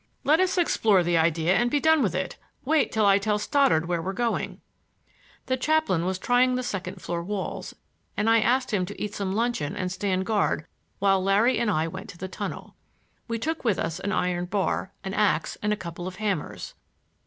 "Let us explore the idea and be done with it. Wait till I tell Stoddard where we're going." The chaplain was trying the second floor walls, and I asked him to eat some luncheon and stand guard while Larry and I went to the tunnel. We took with us an iron bar, an ax and a couple of hammers.